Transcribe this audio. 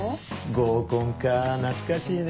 合コンかぁ懐かしいね